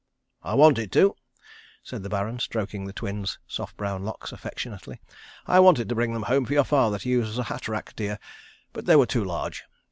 "I wanted to," said the Baron, stroking the Twins' soft brown locks affectionately. "I wanted to bring them home for your father to use as a hat rack, dear, but they were too large.